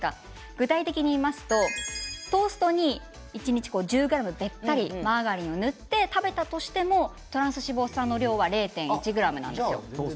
具体的に言いますとトーストに１０ｇべったり塗ってたとしてもトランス脂肪酸の量は０．１ｇなんです。